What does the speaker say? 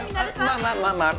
まあまあまあまあ！